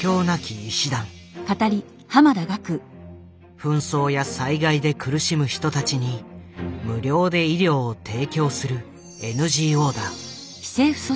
紛争や災害で苦しむ人たちに無料で医療を提供するＮＧＯだ。